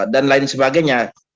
dan lain sebagainya